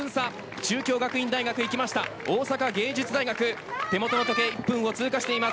中京学院大学大阪芸術大学手元の時計で１分を通過しています。